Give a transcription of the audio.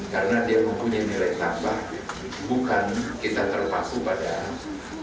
karena dia mempunyai nilai tambah bukan kita terpaksa pada bahan bahan atau komoditi